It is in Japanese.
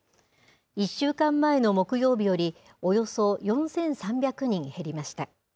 １週間前の木曜日よりおよそ４３００人減りました。